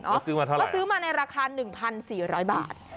และซื้อมาในราคา๑๔๐๐บาท